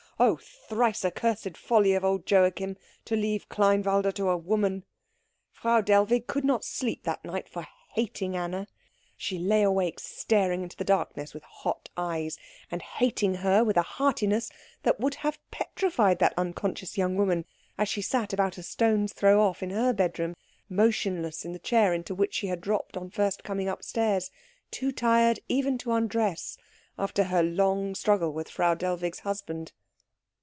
Oh, thrice accursed folly of old Joachim, to leave Kleinwalde to a woman! Frau Dellwig could not sleep that night for hating Anna. She lay awake staring into the darkness with hot eyes, and hating her with a heartiness that would have petrified that unconscious young woman as she sat about a stone's throw off in her bedroom, motionless in the chair into which she had dropped on first coming upstairs, too tired even to undress, after her long struggle with Frau Dellwig's husband.